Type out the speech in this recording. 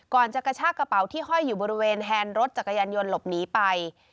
กระชากระเป๋าที่ห้อยอยู่บริเวณแฮนด์รถจักรยานยนต์หลบหนีไป